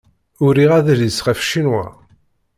Uriɣ adlis ɣef Ccinwa.